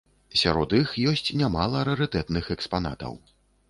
Сярод іх ёсць нямала рарытэтных экспанатаў.